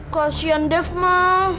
kasian dev ma